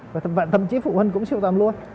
và thậm chí phụ huynh cũng sưu tập luôn